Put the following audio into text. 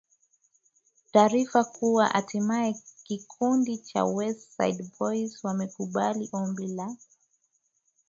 taarifa kuwa hatimaye kikundi cha West Side Boys wamekubali ombi la